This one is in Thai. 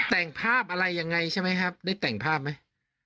แต่งภาพอะไรยังไงใช่ไหมครับได้แต่งภาพไหม